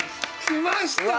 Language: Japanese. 来ました！